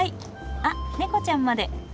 あっ猫ちゃんまで。